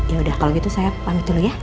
yaudah kalau gitu saya pamit dulu ya